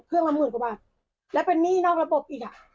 ละหมื่นกว่าบาทแล้วเป็นหนี้นอกระบบอีกอ่ะ